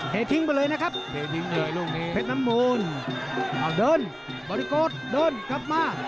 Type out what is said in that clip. เททิ้งไปเลยนะครับ